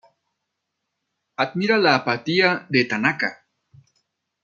Admira la apatía de Tanaka.